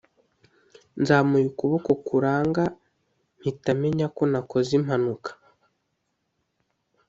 nzamuye ukuboko kuranga, mpita menya ko nakoze impanuka.”